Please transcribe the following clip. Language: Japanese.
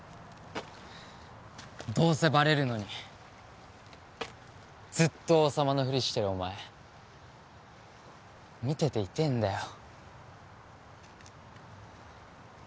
どうせバレるのにずっと王様のフリしてるお前見てて痛えんだよ